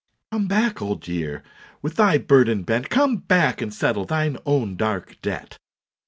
" Come back, Old Year, with thy burden bent. Come back and settle thine own dark debt."